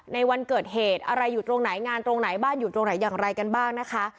ในวันเกิดเหตุอะไรอยู่ตรงไหนงานตรงไหนบ้านอยู่ตรงไหนอย่างไรกันบ้างนะคะ